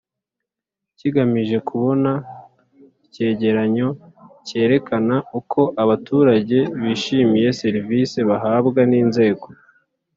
kigamije kubona icyegeranyo cyerekana uko abaturage bishimiye serivisi bahabwa n inzego